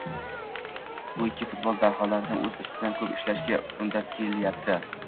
bu ikki futbol daholarini o‘z ustidan ko‘p ishlashga undab kelyapti.